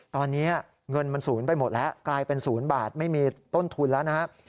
ตอนนี้เงินมันศูนย์ไปหมดแล้วกลายเป็น๐บาทไม่มีต้นทุนแล้วนะครับ